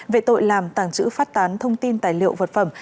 về tội làm tàng trữ phát tán thông tin tài liệu vật phẩm